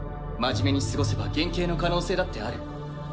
真面目に過ごせば減刑の可能性だってある。